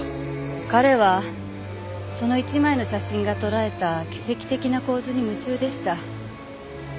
彼はその１枚の写真が捉えた奇跡的な構図に夢中でした。